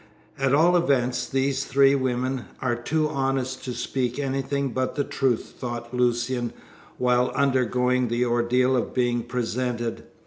"At all events, these three women are too honest to speak anything but the truth," thought Lucian while undergoing the ordeal of being presented.